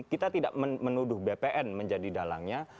kita tidak menuduh bpn menjadi dalangnya